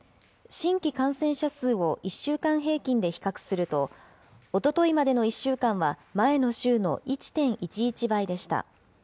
新規感染者数を１週間平均で比較すると、おとといまでの１週間は前の週の１．１１倍でした。